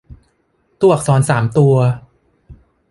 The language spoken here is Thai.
ตัวอักษรสามตัว